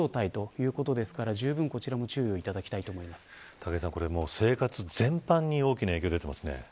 武井さん、生活全般に大きな影響が出てますね。